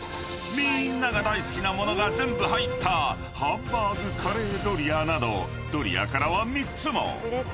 ［みんなが大好きな物が全部入ったハンバーグカレードリアなどドリアからは３つも！］